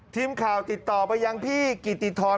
ทีมข่าวติดต่อไปยังพี่กิติธร